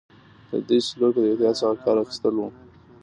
د دوی سلوک د احتیاط څخه کار اخیستل وو.